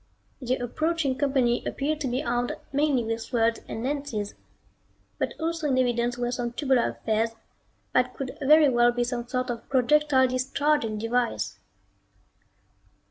The approaching company appeared to be armed mainly with swords and lances, but also in evidence were some tubular affairs that could very well be some sort of projectile discharging device.